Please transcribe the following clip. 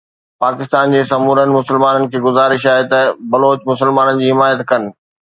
پاڪستان جي سمورن مسلمانن کي گذارش آهي ته بلوچ مسلمانن جي حمايت ڪن.